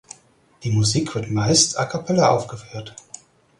Die Musik wird meist "a cappella" aufgeführt.